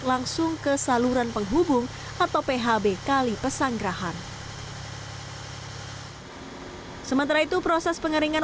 langsung ke saluran penghubung atau phb kali pesanggerahan sementara itu proses pengeringan